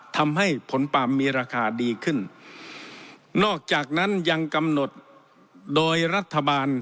ทำให้ผลปาล์มมีราคาดีขึ้นนอกจากนั้นยังกำหนดโดยรัฐบาล